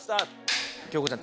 京子ちゃん。